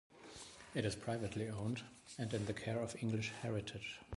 It is privately owned and in the care of English Heritage.